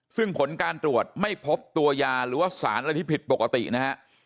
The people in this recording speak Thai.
ซึ่งผลการตรวจไม่พบตัวยาหรือว่าสารอะไรที่ผิดปกตินะฮะ